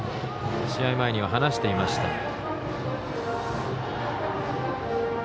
試合前には話していました。